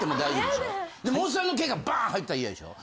でもおっさんの毛がバーン入ったら嫌でしょ？